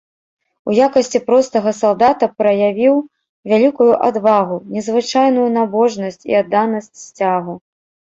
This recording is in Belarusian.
У якасці простага салдата праявіў вялікую адвагу, незвычайную набожнасць і адданасць сцягу.